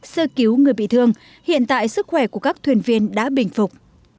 sơ cứu người bị thương hiện tại sức khỏe của các thuyền viên đã bình phục